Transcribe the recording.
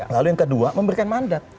lalu yang kedua memberikan mandat